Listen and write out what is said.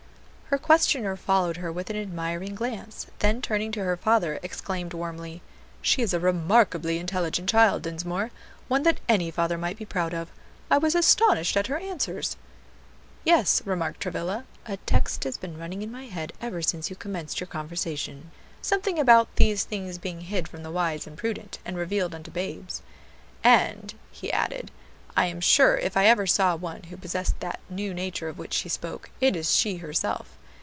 Her questioner followed her with an admiring glance, then turning to her father, exclaimed warmly, "She is a remarkably intelligent child, Dinsmore! one that any father might be proud of. I was astonished at her answers." "Yes," remarked Travilla, "a text has been running in my head ever since you commenced your conversation; something about these things being hid from the wise and prudent, and revealed unto babes. And," he added, "I am sure if ever I saw one who possessed that new nature of which she spoke, it is she herself.